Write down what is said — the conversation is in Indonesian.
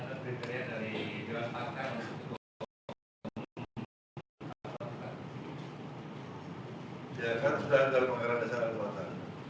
tapi kalau menurut dewan pakar mengimrekomendasikan pak hidup semangat sebagai seorang pemerintah